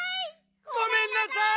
ごめんなさい！